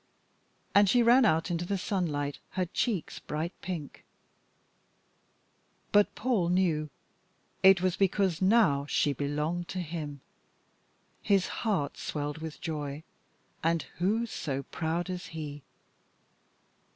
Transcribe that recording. And she ran out into the sunlight, her cheeks bright pink. But Paul knew it was because now she belonged to him. His heart swelled with joy and who so proud as he?